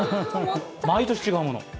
毎年違うものを。